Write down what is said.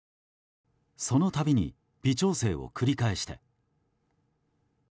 そのたびに微調整を繰り返して。